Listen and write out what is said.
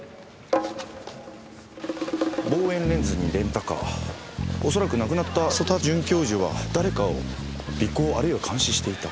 望遠レンズにレンタカー恐らく亡くなった曽田准教授は誰かを尾行あるいは監視していた。